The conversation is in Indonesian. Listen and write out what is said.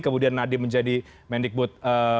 kemudian nadiem menjadi mendikbud